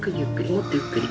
もっとゆっくり。